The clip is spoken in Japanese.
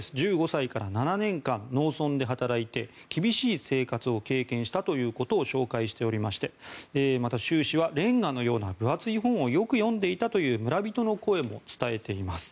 １５歳から７年間農村で働いて厳しい生活を経験したということを紹介しておりましてまた、習氏は分厚い本をよく読んでいたという村人の声も伝えています。